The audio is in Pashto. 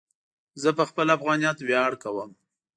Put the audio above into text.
زه په خپل افغانیت ویاړ کوم.